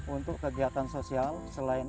untuk kegiatan sosial selain